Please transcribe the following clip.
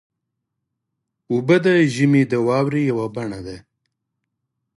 اوبه د ژمي د واورې یوه بڼه ده.